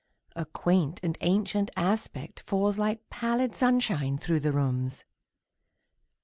A quaint and ancient aspect falls Like pallid sunshine through the rooms.